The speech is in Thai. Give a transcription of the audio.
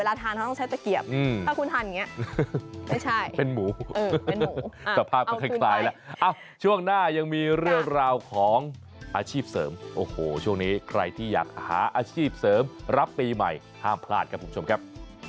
อ่านอย่างเงี้ยไม่ใช่เป็นหมูเออเป็นหมูสภาพมันคล้ายแล้วเอาช่วงหน้ายังมีเรื่องราวของอาชีพเสริมโอ้โหช่วงนี้ใครที่อยากหาอาชีพเสริมรับปีใหม่ห้ามพลาดกับผู้ชมครับ